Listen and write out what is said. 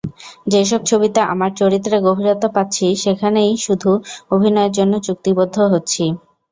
যেসব ছবিতে আমার চরিত্রে গভীরতা পাচ্ছি, সেখানেই শুধু অভিনয়ের জন্য চুক্তিবদ্ধ হচ্ছি।